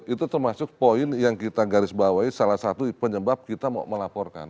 itu termasuk poin yang kita garis bawahi salah satu penyebab kita mau melaporkan